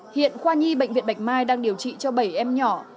hiện khoa nhi bệnh viện bạch mai đang điều trị cho bảy em nhỏ